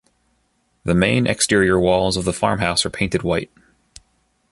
The main exterior walls of the farmhouse are painted white.